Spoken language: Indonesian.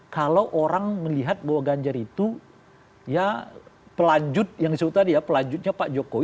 kalau orang melihat bahwa ganjar itu ya pelanjut yang disebut tadi ya pelanjutnya pak jokowi